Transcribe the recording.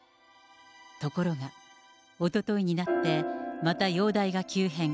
ところが、おとといになって、また容体が急変。